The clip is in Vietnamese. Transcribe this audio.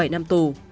bảy năm tù